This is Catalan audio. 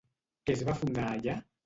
Què es va fundar allà?